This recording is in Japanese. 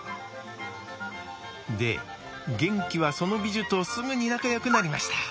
でゲンキはそのビジュとすぐに仲よくなりました。